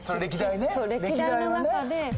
歴代の中で。